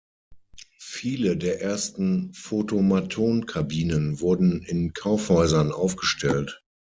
Viele der ersten "Photomaton"-Kabinen wurden in Kaufhäusern aufgestellt.